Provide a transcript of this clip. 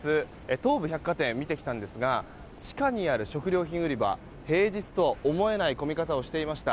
東武百貨店を見てきたんですが地下にある食料品売り場平日とは思えない混み方をしていました。